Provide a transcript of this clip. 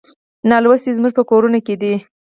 نالوستي زموږ په کورونو کې دي.